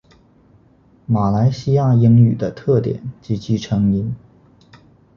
马来西亚英语的特点及其成因